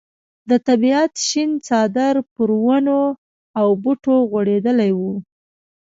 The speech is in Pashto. د طبیعت شین څادر پر ونو او بوټو غوړېدلی وي.